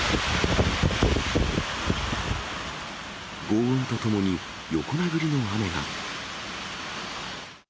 ごう音とともに、横殴りの雨が。